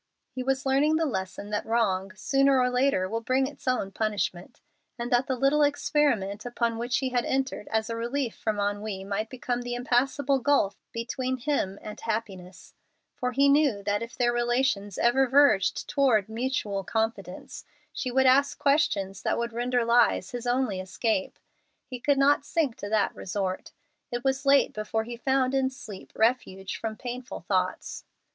He was learning the lesson that wrong sooner or later will bring its own punishment, and that the little experiment upon which he had entered as a relief from ennui might become the impassable gulf between him and happiness; for he knew that, if their relations ever verged toward mutual confidence, she would ask questions that would render lies his only escape. He could not sink to that resort. It was late before he found in sleep refuge from painful thoughts.